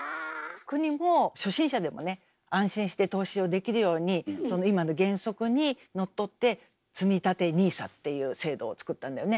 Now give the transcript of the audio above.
国も初心者でもね安心して投資をできるように今の原則にのっとって「つみたてＮＩＳＡ」っていう制度を作ったんだよね。